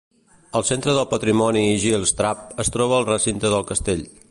El Centre del Patrimoni Gilstrap es troba al recinte del castell.